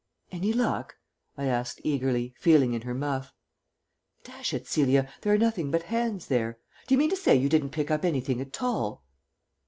"Any luck?" I asked eagerly, feeling in her muff. "Dash it, Celia, there are nothing but hands here. Do you mean to say you didn't pick up anything at all?"